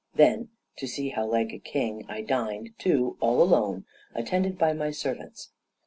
Then, to see how like a king I dined, too, all alone, attended by my servants!